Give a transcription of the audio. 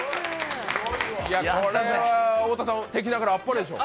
これは太田さん、敵ながらあっぱれでしょう。